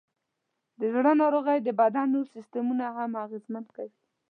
د زړه ناروغۍ د بدن نور سیستمونه هم اغېزمن کوي.